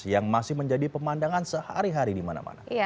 yang masih menjadi pemandangan sehari hari di mana mana